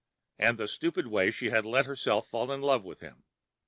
And the stupid way she had let herself fall in love with him.